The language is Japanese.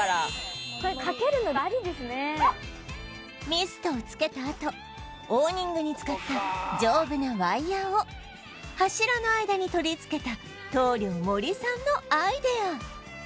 ミストを付けたあとオーニングに使った丈夫なワイヤーを柱の間に取り付けた棟梁森さんのアイデア